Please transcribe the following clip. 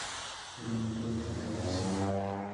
Pero no todo fue tan fácil.